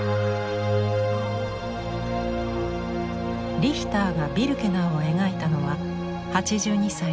リヒターが「ビルケナウ」を描いたのは８２歳の時。